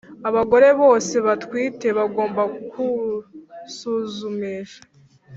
Abagore bose batwite bagomba kwusuzumisha